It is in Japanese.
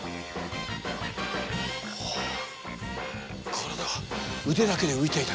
体が腕だけで浮いている。